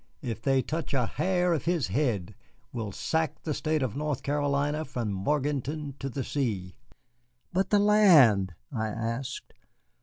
If they touch a hair of his head we'll sack the State of North Carolina from Morganton to the sea." "But the land?" I asked.